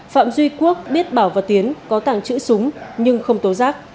phạm duy quốc biết bảo và tiến có tàng trữ súng nhưng không tố giác